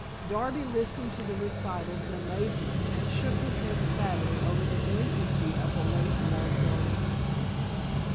Darby listened to the recital in amazement and shook his head sadly over the delinquency of the late Lord Garvington.